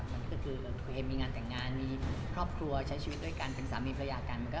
มันก็คือตัวเองมีงานแต่งงานมีครอบครัวใช้ชีวิตด้วยกันเป็นสามีภรรยากัน